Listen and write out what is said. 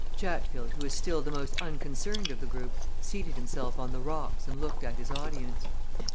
Chatfield, who was still the most unconcerned of the group, seated himself on the rocks and looked at his audience.